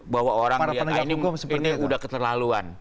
bahwa orang ini udah keterlaluan